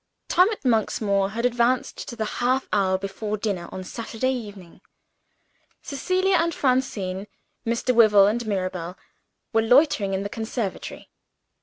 Time at Monksmoor had advanced to the half hour before dinner, on Saturday evening. Cecilia and Francine, Mr. Wyvil and Mirabel, were loitering in the conservatory.